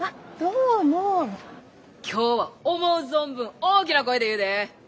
今日は思う存分大きな声で言うで。